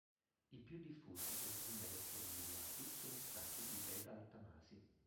I più diffusi e primi ad essere individuati sono stati i beta-lattamasi.